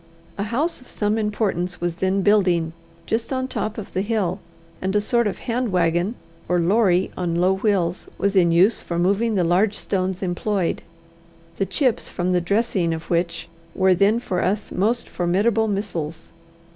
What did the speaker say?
A house of some importance was then building, just on the top of the hill, and a sort of hand wagon, or lorry on low wheels, was in use for moving the large stones employed, the chips from the dressing of which were then for us most formidable missiles.